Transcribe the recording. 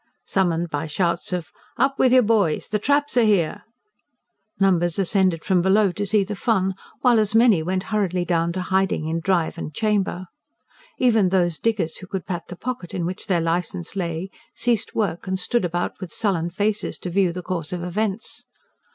Summoned by shouts of: "Up with you, boys! the traps are here!" numbers ascended from below to see the fun, while as many went hurriedly down to hiding in drive or chamber. Even those diggers who could pat the pocket in which their licence lay ceased work, and stood about with sullen faces to view the course of events.